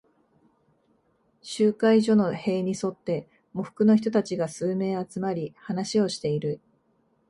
集会所の塀に沿って、喪服の人たちが数名集まり、話をしている。